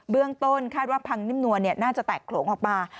เรื่องต้นคาดว่าพังนิ่มนวลน่าจะแตกโขลงออกมา